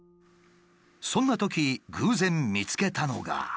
そんなとき偶然見つけたのが。